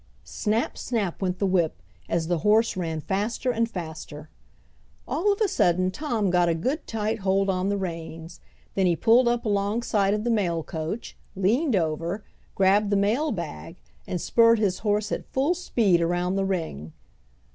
Snap! snap! went the whip as the horse ran faster and faster. All of a sudden Tom got a good tight hold on the reins, then he pulled up alongside of the mail coach, leaned over, grabbed the mail bag, and spurred his horse at full speed around the ring.